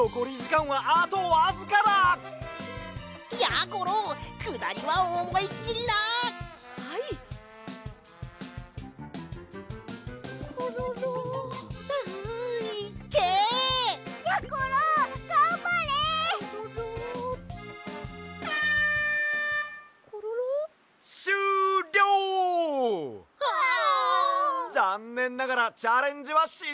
ざんねんながらチャレンジはしっぱいだ！